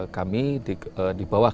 kami di bawah